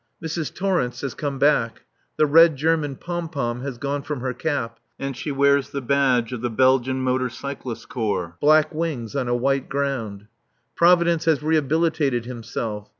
Mrs. Torrence has come back. The red German pom pom has gone from her cap and she wears the badge of the Belgian Motor Cyclist Corps, black wings on a white ground. Providence has rehabilitated himself.